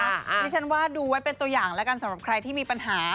ดิฉันว่าดูไว้เป็นตัวอย่างแล้วกันสำหรับใครที่มีปัญหา